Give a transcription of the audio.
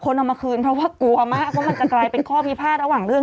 และก็มาทำภัคดิ์กันเปื้อน